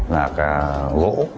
là cả gỗ